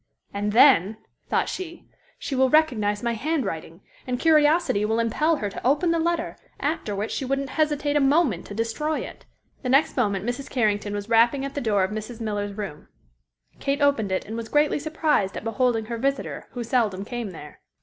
"And then," thought she, "she will recognize my handwriting, and curiosity will impel her to open the letter, after which she wouldn't hesitate a moment to destroy it." The next moment Mrs. Carrington was rapping at the door of Mrs. Miller's room. Kate opened it and was greatly surprised at beholding her visitor, who seldom came there.